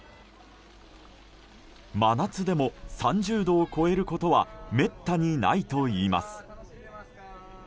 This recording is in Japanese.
真夏でも３０度を超えることはめったにないといいます。